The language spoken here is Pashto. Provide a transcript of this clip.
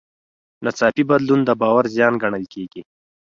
ناڅاپي بدلون د باور زیان ګڼل کېږي.